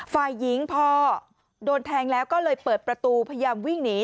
ฝ่ายหญิงพอโดนแทงแล้วก็เลยเปิดประตูพยายามวิ่งหนี